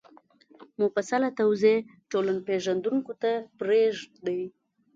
مفصله توضیح ټولنپېژندونکو ته پرېږدي